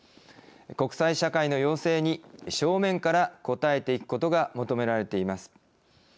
国際社会の要請に正面から答えていくことが求められています。